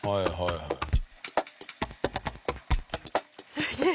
すげえ。